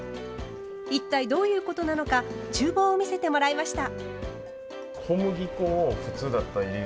一体どういうことなのかちゅう房を見せてもらいました。